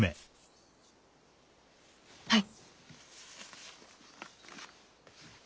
はい。